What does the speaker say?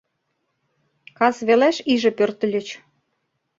Кас велеш иже пӧртыльыч.